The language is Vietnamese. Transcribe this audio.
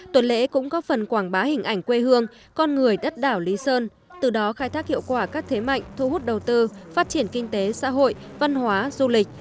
tuần lễ cũng có phần quảng bá hình ảnh quê hương con người đất đảo lý sơn từ đó khai thác hiệu quả các thế mạnh thu hút đầu tư phát triển kinh tế xã hội văn hóa du lịch